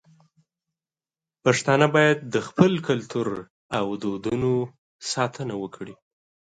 پښتانه بايد د خپل کلتور او دودونو ساتنه وکړي.